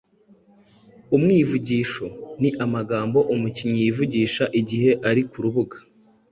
Umwivugisho: Ni amagambo umukinnyi yivugisha igihe ari ku rubuga